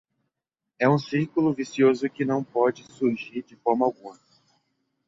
É um círculo vicioso que não pode surgir de forma alguma.